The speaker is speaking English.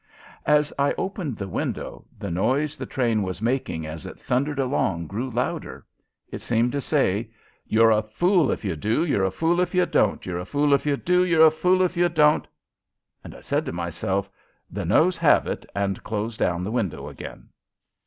As I opened the window the noise the train was making as it thundered along grew louder. It seemed to say: "You're a fool if you do; you're a fool if you don't! You're a fool if you do; you're a fool if you don't!" And I said to myself, "The 'no's' have it," and closed down the window again.